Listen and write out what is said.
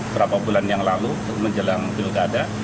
berapa bulan yang lalu menjelang pilkada